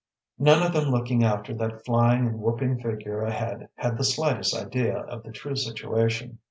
None of them looking after that flying and whooping figure ahead had the slightest idea of the true situation.